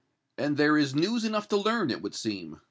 "And there is news enough to learn, it would seem.